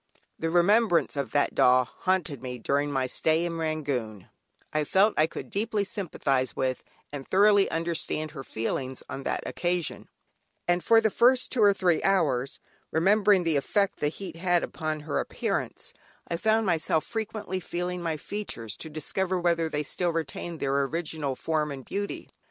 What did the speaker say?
The remembrance of that doll haunted me during my stay in Rangoon; I felt I could deeply sympathise with, and thoroughly understand her feelings on that occasion; and for the first two or three hours, remembering the effect the heat had upon her appearance, I found myself frequently feeling my features to discover whether they still retained their original form and beauty.